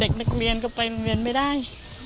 เด็กนักเรียนก็ไปกันไปได้